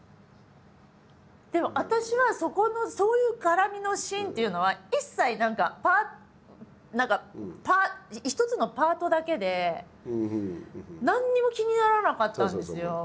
でも私はそこのそういう絡みのシーンっていうのは一切何か一つのパートだけで何にも気にならなかったんですよ。